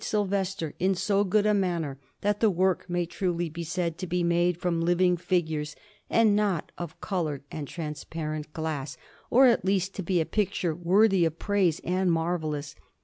Sylvester, in so good a manner that the work may truly be said to be made with living figures, and not of coloured and transparent glass, or at least to be a picture worthy of praise and marvellous.